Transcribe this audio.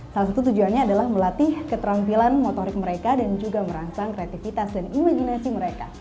salah satu tujuannya adalah melatih keterampilan motorik mereka dan juga merangsang kreativitas dan imajinasi mereka